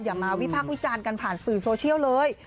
อย่ามาวิพากษ์วิจารณ์กันผ่านสื่อโซเชียลเลย